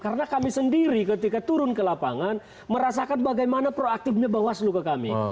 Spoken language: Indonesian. karena kami sendiri ketika turun ke lapangan merasakan bagaimana proaktifnya bawaslu ke kami